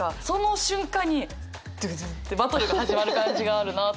その瞬間にドゥドゥンバトルが始まる感じがあるなと思って。